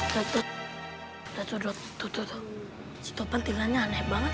datuk dakuk tutup tutup situ pentingannya aneh banget